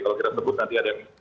kalau kita sebut nanti ada yang